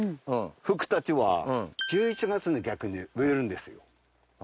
ふくたちは１１月に逆に植えるんですよ。